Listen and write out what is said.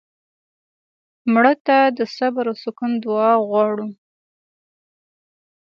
مړه ته د صبر او سکون دعا غواړو